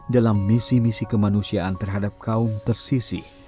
dalam misi misi kemanusiaan terhadap kaum tersisih